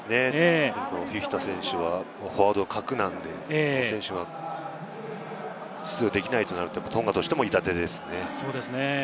フィフィタ選手はフォワードの核なので、その選手が出場できないとなると、トンガとしても痛手ですね。